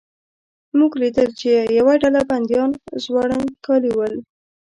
موږ لیدل چې یوه ډله بندیان زوړند کالي ول.